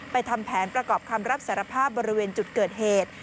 ทำแผนประกอบคำรับสารภาพบริเวณจุดเกิดเหตุ